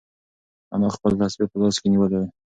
انا خپل تسبیح په لاس کې نیولې وه.